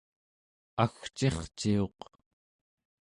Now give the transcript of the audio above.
agcirciuq